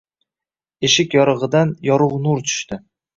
Eshik yorig`idan yorug` nur tushdi